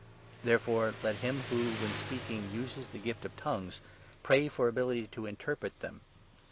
Therefore let him who, when speaking, 13 uses the gift of ' tongues ' pray for ability to interpret them.